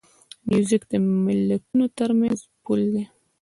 موزیک د ملتونو ترمنځ پل دی.